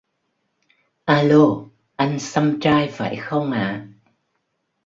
Alo anh xăm trai phải không ạ